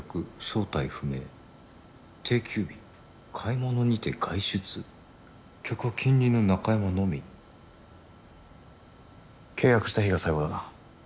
正体不明」「定休日買い物にて外出」「客は近隣の中山のみ」契約した日が最後だな。